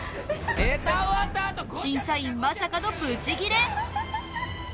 審査員まさかのブチギレ！